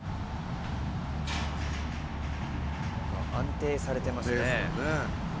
安定されてますね。